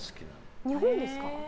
日本ですか。